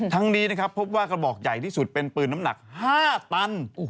นี้นะครับพบว่ากระบอกใหญ่ที่สุดเป็นปืนน้ำหนัก๕ตัน